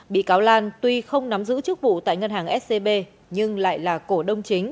bị cáo lan tuy không nắm giữ chức vụ tại ngân hàng scb nhưng lại là cổ đông chính